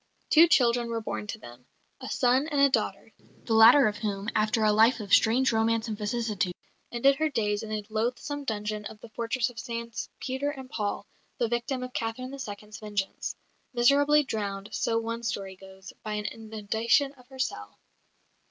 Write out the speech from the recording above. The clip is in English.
Two children were born to them, a son and a daughter, the latter of whom, after a life of strange romance and vicissitude, ended her days in a loathsome dungeon of the fortress of Saints Peter and Paul, the victim of Catherine II.'s vengeance miserably drowned, so one story goes, by an inundation of her cell.